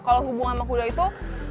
kalau hubungan sama kuda juga penting